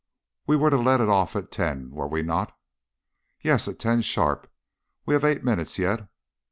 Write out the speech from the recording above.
"We were to let it off at ten, were we not?" "Yes, at ten sharp. We have eight minutes yet."